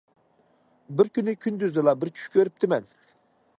بىر كۈنى كۈندۈزدىلا بىر چۈش كۆرۈپتىمەن.